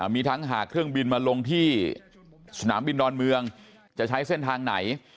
มีทั้งหากเครื่องบินมาลงที่สนามบินดอนเมืองจะใช้เส้นทางไหน